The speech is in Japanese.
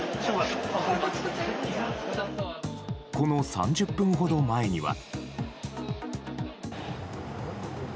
この３０分ほど前には。